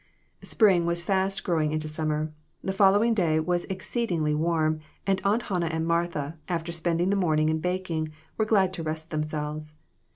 Spring was fast growing into summer. The following day was exceedingly warm, and Aunt Hannah and Martha, after spending the morn ing in baking, were glad to rest themselves.